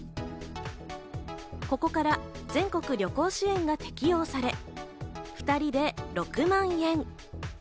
ここから全国旅行支援が適用され、２人で６万円。